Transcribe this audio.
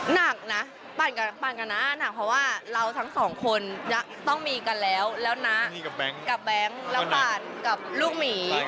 น่าจากแสงพลิกถึงคียังไงล่ะคะไปฟังเจ้าตัวเปิดใจ